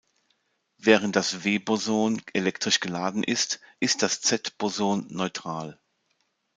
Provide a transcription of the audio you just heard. Während das W-Boson elektrisch geladen ist, ist das Z-Boson neutral.